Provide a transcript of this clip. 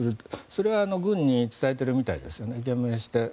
それは軍に伝えているみたいですよね。